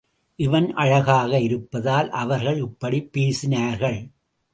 இவன் அழகாக இருப்பதால் அவர்கள் இப்படிப் பேசினார்கள்.